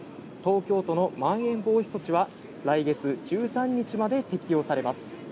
東京都のまん延防止措置は、来月１３日まで適用されます。